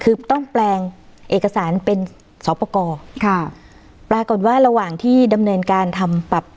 คือต้องแปลงเอกสารเป็นสอบประกอบค่ะปรากฏว่าระหว่างที่ดำเนินการทำปรับ